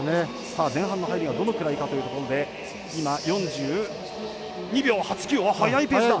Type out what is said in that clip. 前半の入りがどのくらいかというところで４２秒８９、速いペースだ。